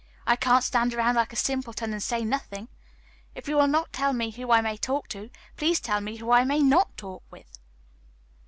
I can't stand around like a simpleton, and say nothing. If you will not tell me who I may talk with, please tell me who I may not talk with."